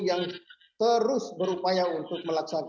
yang terus berupaya untuk melaksanakan